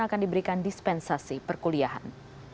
akan diberikan dispensasi perkuliahan